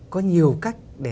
có nhiều cách